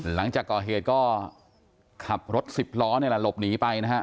หลังจากก่อเหตุก็ขับรถ๑๐ล้อหลบหนีไปนะฮะ